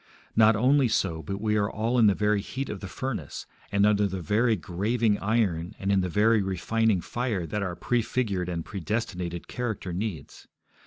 Not only so, but we are all in the very heat of the furnace, and under the very graving iron and in the very refining fire that our prefigured and predestinated character needs.